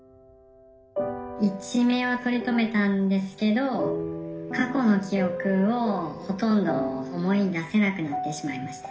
一命は取り留めたんですけど過去の記憶をほとんど思い出せなくなってしまいました。